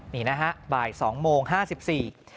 นี่นะฮะบ่าย๒โมง๕๔เส้น